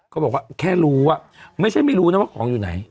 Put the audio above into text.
เขาบอกว่าแค่รู้ว่าไม่ใช่ไม่รู้นะว่าของอยู่ไหน